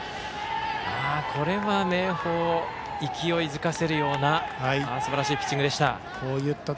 これは、明豊勢いづかせるようなすばらしいピッチングでした。